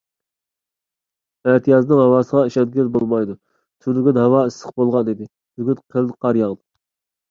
ئەتىيازنىڭ ھاۋاسىغا ئىشەنگىلى بولمايدۇ. تۈنۈگۈن ھاۋا ئىسسىق بولغان ئىدى، بۈگۈن قېلىن قار ياغدى.